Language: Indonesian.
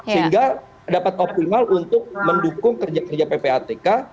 sehingga dapat optimal untuk mendukung kerja kerja ppatk